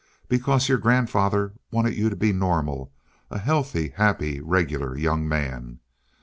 Because your grandfather wanted you to be normal a healthy, happy regular young man.